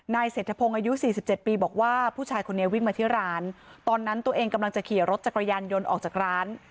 เศรษฐพงศ์อายุ๔๗ปีบอกว่าผู้ชายคนนี้วิ่งมาที่ร้านตอนนั้นตัวเองกำลังจะขี่รถจักรยานยนต์ออกจากร้าน